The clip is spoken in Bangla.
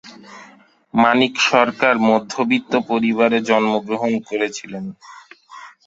মানিক সরকার মধ্যবিত্ত পরিবারে জন্মগ্রহণ করেছিলেন।